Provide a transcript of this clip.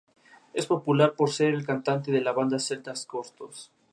La mariposa monarca tiene colores vivos para espantar a posibles depredadores.